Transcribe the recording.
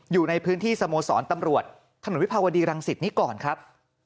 อยู่ในพื้นที่สโมสรตำรวจถนนวิภาวดีรังสิตนี้ก่อนครับ